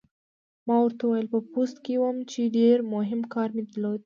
ما ورته وویل: په پوسته کې وم، چې ډېر مهم کار مې درلود.